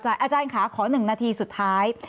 ค่ะขออาจารย์คะขอ๑นาทีสุดท้าย